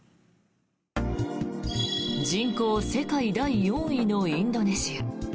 人口世界第４位のインドネシア。